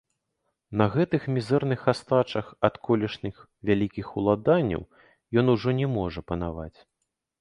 На гэтых мізэрных астачах ад колішніх вялікіх уладанняў ён ужо не можа панаваць.